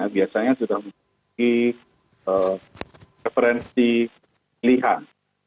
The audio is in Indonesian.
biasanya sudah memiliki referensi pilihan